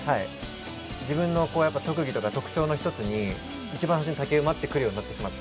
自分の特技とか特徴の一つに一番最初に竹馬ってくるようになってしまって。